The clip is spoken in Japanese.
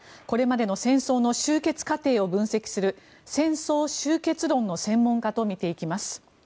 これまでの戦争の終結過程を分析する戦争終結論の専門家と見ていきます。